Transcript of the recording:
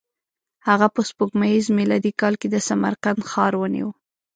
هغه په سپوږمیز میلادي کال کې د سمرقند ښار ونیو.